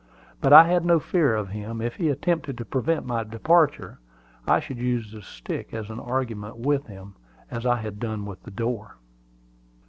But I had no fear of him: if he attempted to prevent my departure, I should use the stick as an argument with him, as I had done with the door.